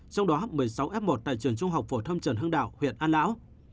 trong đó một mươi sáu f một tại trường trung học phổ thông trần hưng đạo huyện an lão